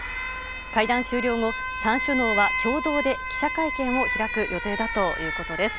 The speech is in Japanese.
会談終了後、３首脳は共同で記者会見を開く予定だということです。